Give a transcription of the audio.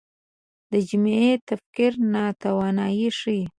دا جمعي تفکر ناتواني ښيي